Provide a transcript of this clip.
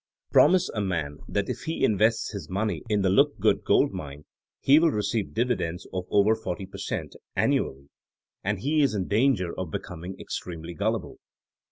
Promise a man that if he invests his money in the Lookgood Gold Mine he will receive divi dends of over 40 per cent. aonuaJlyy and he is in danger of becoming extremely gullible.